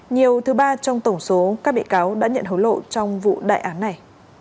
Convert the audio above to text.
nhiều thứ ba trong tổng số các bị cáo đã nhận hối lộ trong vụ đại án này